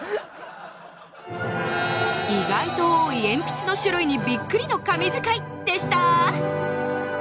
意外と多い鉛筆の種類にビックリの神図解でした